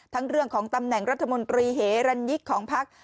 ทั้งเรื่องของตำแหน่งรัฐมนตรีเฮรนิกของภาค